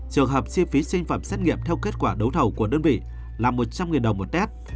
trường hợp chi phí sinh phẩm xét nghiệm theo kết quả đấu thầu của đơn vị là một trăm linh đồng một test